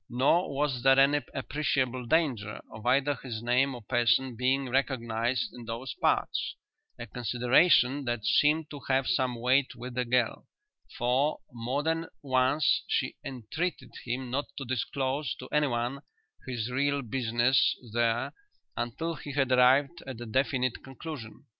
Nor was there any appreciable danger of either his name or person being recognized in those parts, a consideration that seemed to have some weight with the girl, for, more than once, she entreated him not to disclose to anyone his real business there until he had arrived at a definite conclusion.